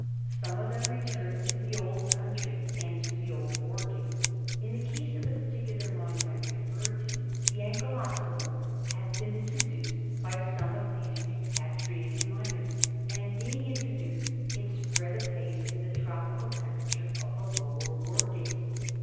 Some of them return to the old country and to the old workings. In the case of the particular mines I refer to, the ankylostomum had been introduced by some of these repatriated miners, and being introduced, it spread apace in the tropical tempera ture of the lower workings.